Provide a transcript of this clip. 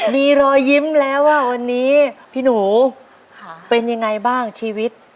มีรอยยิ้มแล้วว่าวันนี้พี่หนูเป็นยังไงบ้างชีวิต